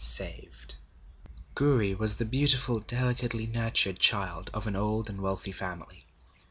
SAVED Gouri was the beautiful, delicately nurtured child of an old and wealthy family.